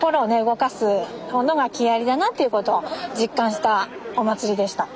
動かすものが木遣りだなっていうことは実感したお祭りでした。